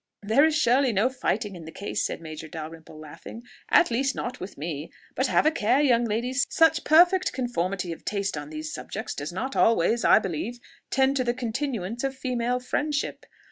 "There is surely no fighting in the case," said Major Dalrymple, laughing, "at least not with me. But have a care, young ladies: such perfect conformity of taste on these subjects does not always, I believe, tend to the continuance of female friendship.